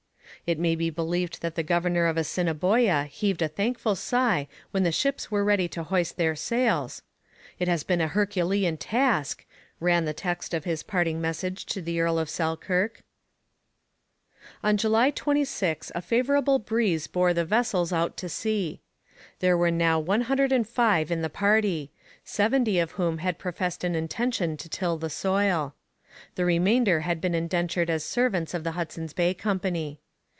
It may be believed that the governor of Assiniboia heaved a thankful sigh when the ships were ready to hoist their sails. 'It has been a herculean task,' ran the text of his parting message to the Earl of Selkirk. On July 26 a favourable breeze bore the vessels out to sea. There were now one hundred and five in the party, seventy of whom had professed an intention to till the soil. The remainder had been indentured as servants of the Hudson's Bay Company.